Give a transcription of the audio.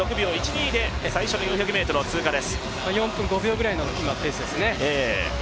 ４分５秒ぐらいのペースですね。